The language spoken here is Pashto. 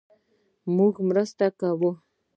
مونږ مرسته کوو